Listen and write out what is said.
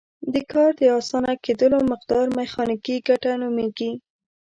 د کار د اسانه کیدلو مقدار میخانیکي ګټه نومیږي.